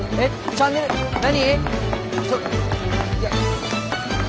チャンネル何？